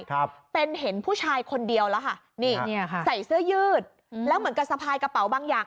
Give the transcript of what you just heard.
ครับเป็นเห็นผู้ชายคนเดียวแล้วค่ะนี่เนี้ยค่ะใส่เสื้อยืดแล้วเหมือนกับสะพายกระเป๋าบางอย่าง